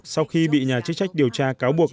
sau khi bị nhà chức trách điều tra cáo buộc